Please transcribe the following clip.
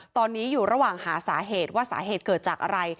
ตอนนี้อยู่ระหว่างหาสาเหตุว่าสาเหตุเกิดจากอะไร